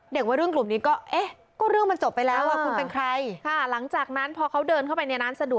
เด็กว่าเรื่องกลุ่มนี้ก็เรื่องมันจบไปแล้ว